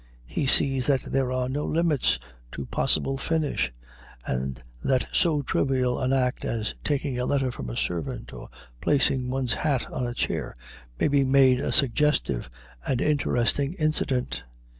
He sees that there are no limits to possible "finish," and that so trivial an act as taking a letter from a servant or placing one's hat on a chair may be made a suggestive and interesting incident.